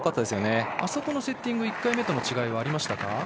あそこのセッティング１回目との違いはありましたか。